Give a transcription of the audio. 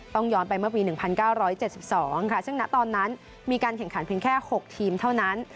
ย้อนไปเมื่อปี๑๙๗๒ค่ะซึ่งณตอนนั้นมีการแข่งขันเพียงแค่๖ทีมเท่านั้น